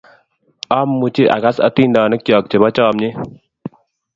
Amuchi akas atindonikyok chebo chamnyet